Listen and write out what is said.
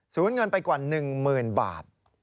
เงินไปกว่า๑๐๐๐บาท